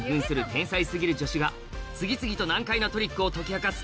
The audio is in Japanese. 天才過ぎる助手が次々と難解なトリックを解き明かす